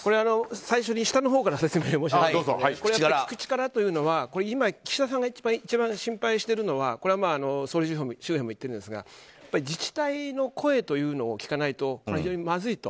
最初に下のほうから説明を申し上げますと聞く力というのは今、岸田さんが一番心配しているのは総理周辺も言っているんですが自治体の声を聞かないと非常にまずいと。